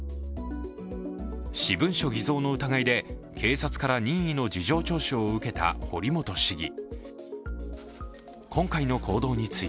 私文書偽造の疑いで警察から任意の事情聴取を受けた堀本市議。